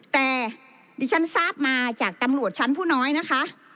แต่ดิฉันทราบมาจากตำรวจชั้นผู้น้อยนะคะ